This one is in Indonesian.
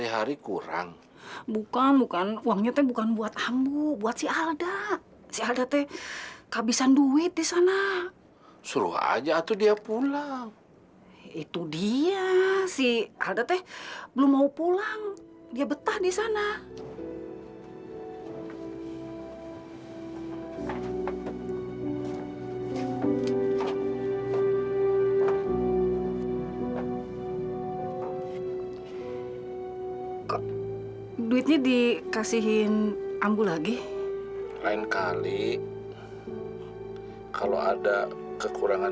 sampai jumpa di video selanjutnya